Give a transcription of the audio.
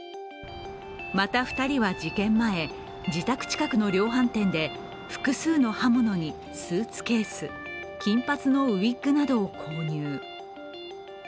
また２人は事件前、自宅近くの量販店で複数の刃物にスーツケース、金髪のウイッグなどを購入。